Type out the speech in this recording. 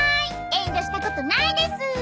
遠慮したことないです！